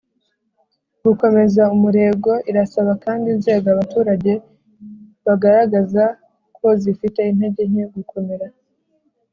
gukomeza umurego Irasaba kandi inzego abaturage bagaragaza ko zifite intege nke gukomera